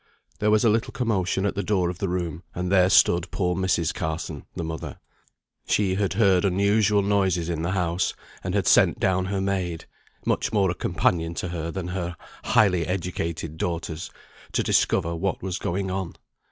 There was a little commotion at the door of the room, and there stood poor Mrs. Carson, the mother. She had heard unusual noises in the house, and had sent down her maid (much more a companion to her than her highly educated daughters) to discover what was going on.